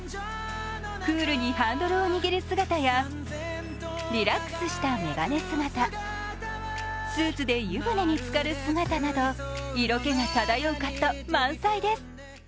クールにハンドルを握る姿やリラックスした眼鏡姿スーツで湯船につかる姿など、色気が漂うカット満載です。